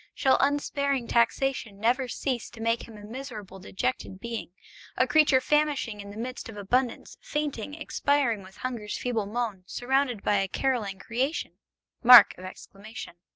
Shall unsparing taxation never cease to make him a miserable dejected being, a creature famishing in the midst of abundance, fainting, expiring with hunger's feeble moan, surrounded by a carolling creation!